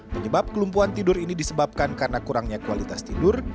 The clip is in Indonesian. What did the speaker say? penyebab kelumpuhan tidur ini disebabkan karena kurangnya kualitas tidur